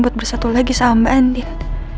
buat bersatu lagi sama mbak andi